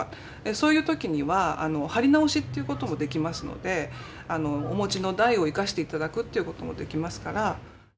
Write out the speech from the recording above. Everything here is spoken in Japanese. そういう時には貼り直しということもできますのでお持ちの台を生かしていただくということもできますから。